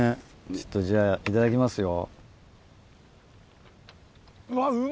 ちょっとじゃあいただきますよ。